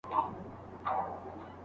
ادئبان نوي اثار لیکي.